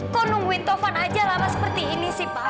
kok nungguin tovan aja lama seperti ini sih pak